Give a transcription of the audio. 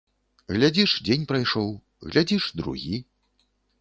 Глядзіш дзень прайшоў, глядзіш другі.